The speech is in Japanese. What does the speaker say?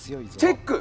チェック！